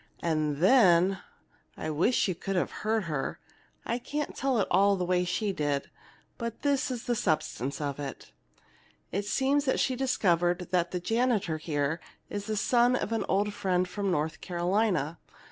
And then I wish you could have heard her! I can't tell it all the way she did, but this is the substance of it: "It seems that she's discovered that the janitor here is the son of an old friend from North Carolina.